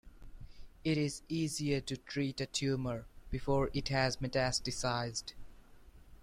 It is easier to treat a tumour before it has metastasized.